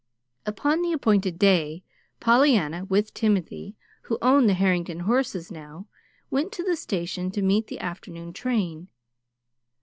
Upon the appointed day, Pollyanna with Timothy (who owned the Harrington horses now) went to the station to meet the afternoon train.